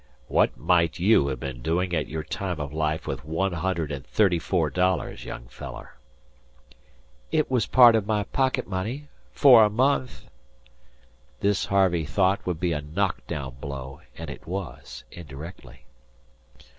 "What might you have been doin' at your time o' life with one hundred an' thirty four dollars, young feller?" "It was part of my pocket money for a month." This Harvey thought would be a knock down blow, and it was indirectly.